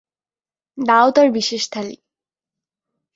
দাও, তার বিশেষ থালি।